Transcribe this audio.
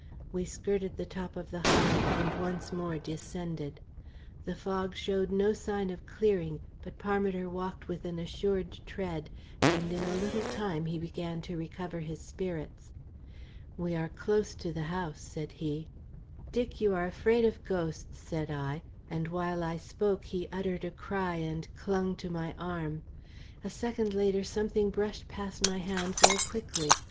We skirted the top of the hollow, and once more descended. The fog showed no sign of clearing, but Parmiter walked with an assured tread, and in a little time he began to recover his spirits. "We are close to the house," said he. "Dick, you are afraid of ghosts," said I; and while I spoke he uttered a cry and clung to my arm. A second later something brushed past my hand very quickly.